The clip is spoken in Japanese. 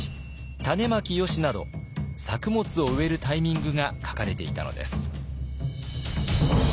「たねまきよし」など作物を植えるタイミングが書かれていたのです。